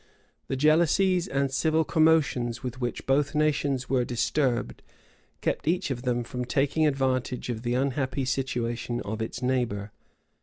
The jealousies and civil commotions with which both nations were disturbed, kept each of them from taking advantage of the unhappy situation of its neighbor.